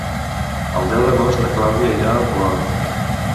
El deu d'agost na Clàudia irà al Poal.